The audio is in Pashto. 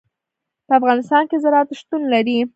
په افغانستان کې زراعت شتون لري.